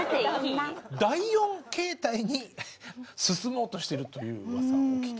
第４形態に進もうとしてるという噂を。